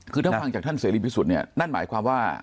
คือถ้าฟังจากท่านเสรีพิสุทธิ์เนี่ยนั่นหมายความว่า